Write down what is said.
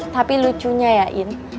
tapi lucunya ya in